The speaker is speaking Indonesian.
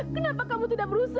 kenapa kamu tidak berusaha